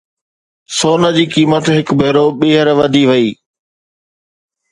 سون جي قيمت هڪ ڀيرو ٻيهر وڌي وئي